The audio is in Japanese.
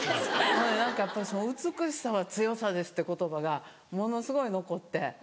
何かやっぱり「美しさは強さです」って言葉がものすごい残って。